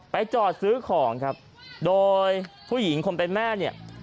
จอดซื้อของครับโดยผู้หญิงคนเป็นแม่เนี่ย